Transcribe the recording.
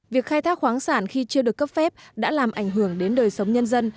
việc khai thác khoáng sản khi chưa được cấp phép đã làm ảnh hưởng đến đời sống nhân dân